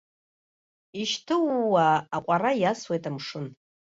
Ишьҭыууаа аҟәара иасуеит амшын.